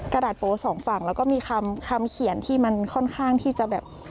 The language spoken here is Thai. กระดาษโป๊สองฝั่งแล้วก็มีคำเขียนที่มันค่อนข้างที่จะแบบ